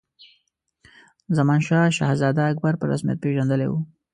زمانشاه شهزاده اکبر په رسمیت پېژندلی وو.